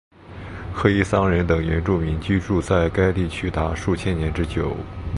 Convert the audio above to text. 科伊桑人等原住民居住在该地区达数千年之久。